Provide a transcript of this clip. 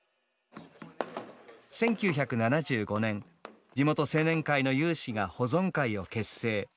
１９７５年地元青年会の有志が保存会を結成。